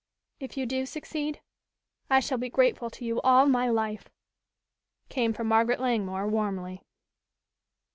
"If you do succeed, I shall be grateful to you all my life," came from Margaret Langmore warmly.